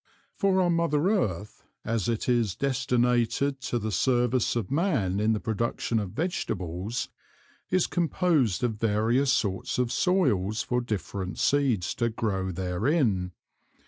For our Mother Earth, as it is destinated to the service of Man in the production of Vegetables, is composed of various sorts of Soils for different Seeds to grow therein.